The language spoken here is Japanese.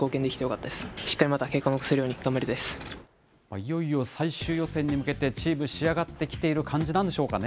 いよいよ最終予選に向けて、チーム仕上がってきている感じなんでしょうかね。